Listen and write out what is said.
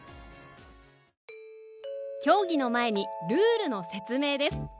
競技の前にルールの説明です。